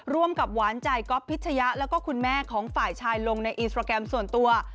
ร่วมกับหวานใจก๊อฟพิชยะแล้วก็คุณแม่ของฝ่ายชายลงในอินสตราแกรมส่วนตัว